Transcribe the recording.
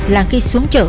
là khi xuống chợ